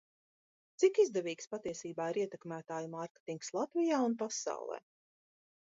Cik izdevīgs patiesībā ir ietekmētāju mārketings Latvijā un pasaulē?